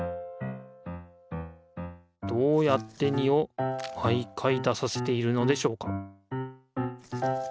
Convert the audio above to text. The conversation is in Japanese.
どうやって２を毎回出させているのでしょうか？